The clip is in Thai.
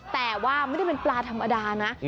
แต่ว่าไม่ได้เป็นปลาธรรมดานะ